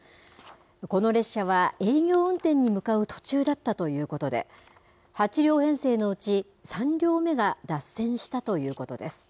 この列車は営業運転に向かう途中だったということで、８両編成のうち３両目が脱線したということです。